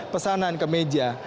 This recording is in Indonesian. pesanan ke meja